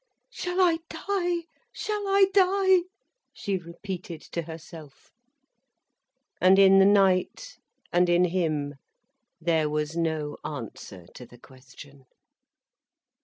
"Shall I die, shall I die?" she repeated to herself. And in the night, and in him, there was no answer to the question.